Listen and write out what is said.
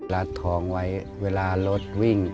รัดทองไว้เวลารถวิ่ง